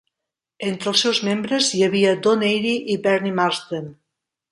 Entre els seus membres hi havia Don Airey i Bernie Marsden.